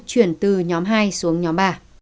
chuyển từ nhóm hai xuống nhóm ba